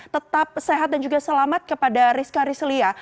tetap sehat dan juga selamat kepada rizka rizlia